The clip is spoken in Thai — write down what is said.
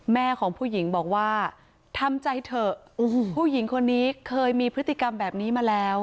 แม่ของผู้หญิงบอกว่าทำใจเถอะผู้หญิงคนนี้เคยมีพฤติกรรมแบบนี้มาแล้ว